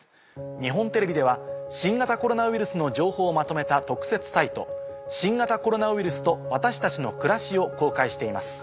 日本テレビでは新型コロナウイルスの情報をまとめた特設サイト。を公開しています。